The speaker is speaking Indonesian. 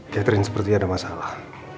catherine sepertinya ada masalah